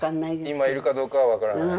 今いるかどうかは分からない？